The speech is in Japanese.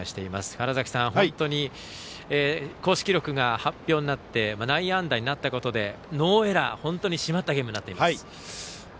川原崎さん公式記録が発表されて内野安打になったことでノーエラーと本当に締まったゲームになっています。